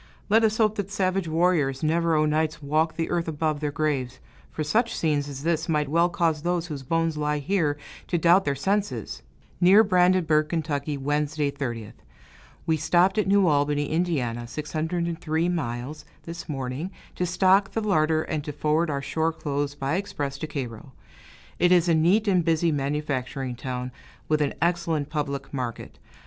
Let us hope that savage warriors never o' nights walk the earth above their graves; for such scenes as this might well cause those whose bones lie here to doubt their senses. Near Brandenburg, Ky., Wednesday, 30th. We stopped at New Albany, Ind. (603 miles), this morning, to stock the larder and to forward our shore clothes by express to Cairo. It is a neat and busy manufacturing town, with an excellent public market.